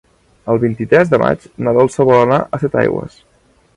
El vint-i-tres de maig na Dolça vol anar a Setaigües.